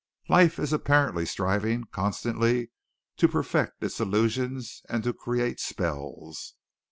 Life is apparently striving, constantly, to perfect its illusions and to create spells.